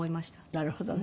なるほどね。